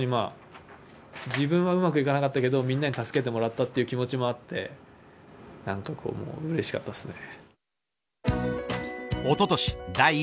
自分はうまくいかなかったけどみんなに助けてもらったという気持ちもあってうれしかったです。